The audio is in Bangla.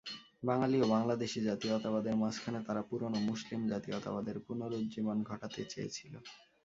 বাঙালি ও বাংলাদেশি জাতীয়তাবাদের মাঝখানে তারা পুরোনো মুসলিম জাতীয়তাবাদের পুনরুজ্জীবন ঘটাতে চেয়েছিল।